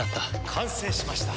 完成しました。